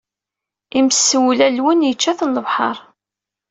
Imsewlalwen yečča-ten lebḥer.